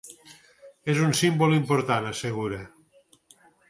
És un símbol important, assegura.